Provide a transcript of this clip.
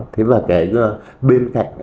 thế và cái bên cạnh